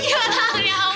gue juga tangan